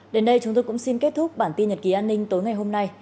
đến đây chúng tôi cũng xin kết thúc bản tin nhật ký an ninh tối ngày hôm nay